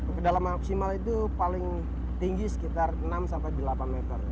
kedalaman maksimal itu paling tinggi sekitar enam sampai delapan meter